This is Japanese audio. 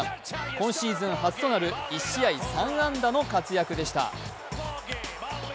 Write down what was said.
今シーズン初となる１試合３安打の活躍でした。